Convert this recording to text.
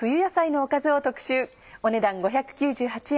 お値段５９８円。